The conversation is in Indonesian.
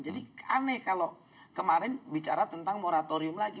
jadi aneh kalau kemarin bicara tentang moratorium lagi